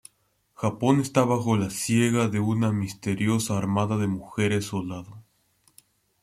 Japón está bajo la siega de una misteriosa armada de mujeres soldado.